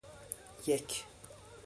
یک